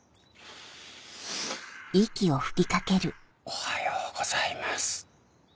おはようございます。